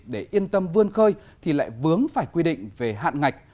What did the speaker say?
để yên tâm vươn khơi thì lại vướng phải quy định về hạn ngạch